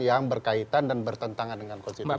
yang berkaitan dan bertentangan dengan konstitusi